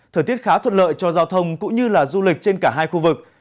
thời tiết khá thuận lợi cho giao thông cũng như là du lịch trên cả hai khu vực